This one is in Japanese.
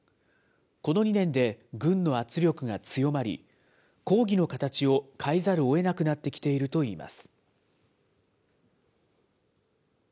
この２年で軍の圧力が強まり、抗議の形を変えざるをえなくなってきているといいます。